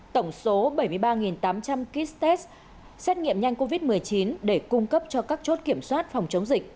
tổng số bảy mươi ba tám trăm linh kit test xét nghiệm nhanh covid một mươi chín để cung cấp cho các chốt kiểm soát phòng chống dịch